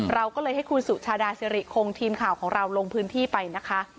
เราก็เลยให้คุณสุชาดาสิริคงทีมข่าวของเราลงพื้นที่ไปนะคะ